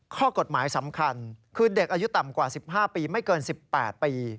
ข้อกฎหมายสำคัญคือเด็กอายุต่ำกว่า๑๕ปีไม่เกิน๑๘ปี